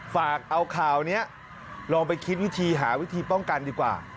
ฝากเอาข่าวนี้ลองไปคิดวิธีหาวิธีป้องกันดีกว่า